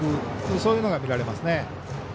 そういうのが見られますね。